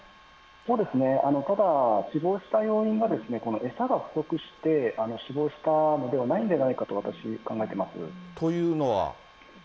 そうですね、ただ死亡した要因がこの餌が不足して死亡したのではないんではなというのは？